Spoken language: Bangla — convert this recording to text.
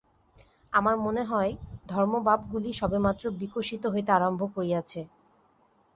আমার মনে হয়, ধর্মভাবগুলি সবেমাত্র বিকশিত হইতে আরম্ভ করিয়াছে।